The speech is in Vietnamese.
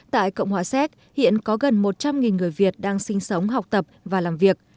tại cộng hòa séc hiện có gần một trăm linh người việt đang sinh sống học tập và làm việc